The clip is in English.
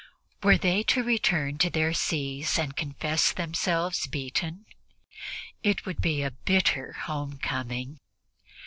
Were they to return to their sees and confess themselves beaten? It would be a bitter homecoming.